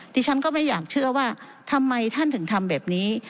ดิฉันก็ไม่อยากเชื่อว่าทำไมท่านถึงทำแบบนี้